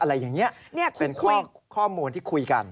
อะไรอย่างนี้เป็นข้อมูลที่คุยกัน